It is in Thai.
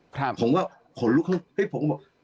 ผมก็ขนลุกแล้วเฮ้ยผมก็บอก